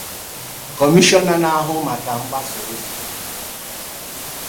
Kọmishọna na-ahụ maka mgbasaozi